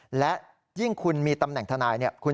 เพราะว่ามีทีมนี้ก็ตีความกันไปเยอะเลยนะครับ